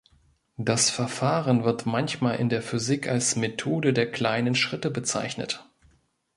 Das Verfahren wird manchmal in der Physik als Methode der kleinen Schritte bezeichnet.